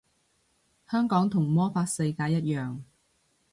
香港同魔法世界一樣